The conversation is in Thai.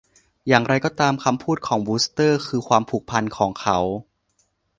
อย่างไรก็ตาม คำพูดของวูสเตอร์คือความผูกพันของเขา